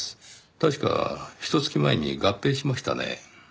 確かひと月前に合併しましたね。